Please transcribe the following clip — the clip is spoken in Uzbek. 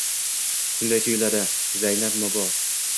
— Shunday tuyuladi, Zaynab momo.